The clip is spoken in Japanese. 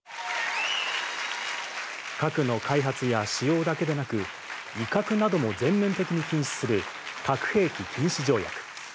核の開発や使用だけでなく、威嚇なども全面的に禁止する核兵器禁止条約。